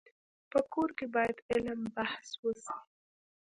په هر کور کي باید علم بحث وسي.